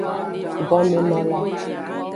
Gomenola.